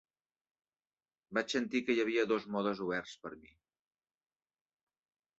Vaig sentir que hi havia dos modes oberts per a mi.